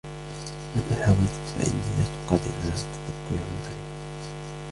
مهما حاولت فإني لست قادرا على تذكر عنوانها.